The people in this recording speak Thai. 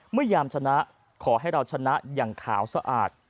พยายามชนะขอให้เราชนะอย่างขาวสะอาด